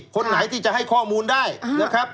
คนไหนที่จะให้ข้อมูลได้นะครับ